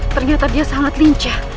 ternyata dia sangat lincah